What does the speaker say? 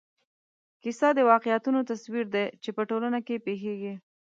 کیسه د واقعیتونو تصویر دی چې په ټولنه کې پېښېږي.